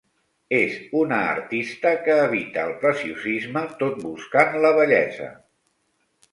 És una artista que evita el preciosisme tot buscant la bellesa.